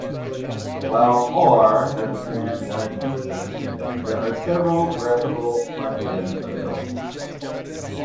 While R has a command line interface, there are several graphical front-ends available.